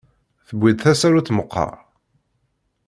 Tewwi-d tasarut meqqar?